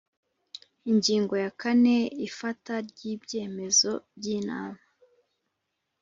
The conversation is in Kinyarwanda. Ingingo ya kane Ifata ry’ibyemezo by’Inama